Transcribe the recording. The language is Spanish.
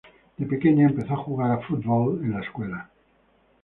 De pequeña empezó a jugar a fútbol en la escuela.